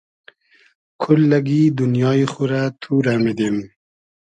کوللئگی دونیای خو رۂ تو رۂ میدیم